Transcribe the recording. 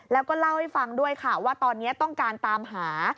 แล้วก็เล่าให้ฟังด้วยค่ะว่าตอนนี้ต้องการตามหา